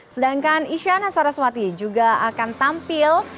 sedangkan isyana saraswati juga akan tampil